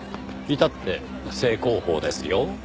至って正攻法ですよ。